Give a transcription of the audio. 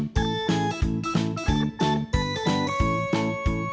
ที่โจมเบอร์โรงบัด